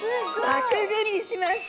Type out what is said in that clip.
輪くぐりしました。